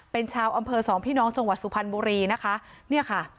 เป็นชาวอำเภอสองพี่น้องจังหวัดสุพรรณบุรีนะคะเนี่ยค่ะ